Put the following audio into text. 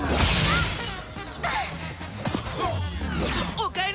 おかえり！